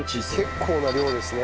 結構な量ですね